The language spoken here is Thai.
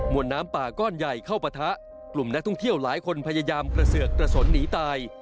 วนน้ำป่าก้อนใหญ่เข้าปะทะกลุ่มนักท่องเที่ยวหลายคนพยายามกระเสือกกระสนหนีตาย